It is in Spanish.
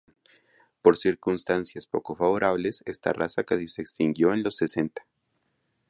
Por circunstancias poco favorables, esta raza casi se extinguió en los sesenta.